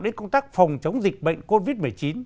đến công tác phòng chống dịch bệnh covid một mươi chín